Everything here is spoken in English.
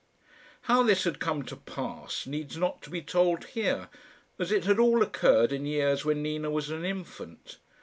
How this had come to pass needs not to be told here, as it had all occurred in years when Nina was an infant.